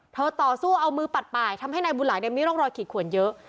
เธอต่อสู้เอามือปัดป่ายทำให้นายบุหรายเนี่ยไม่ต้องรอยขี่ขวนเยอะ